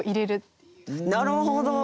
なるほど！